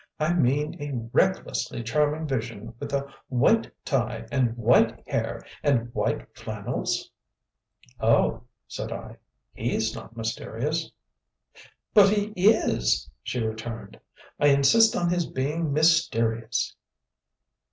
I mean a RECKLESSLY charming vision with a WHITE tie and WHITE hair and WHITE flannels." "Oh," said I, "HE'S not mysterious." "But he IS," she returned; "I insist on his being MYSTERIOUS!